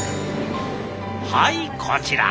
はいこちら！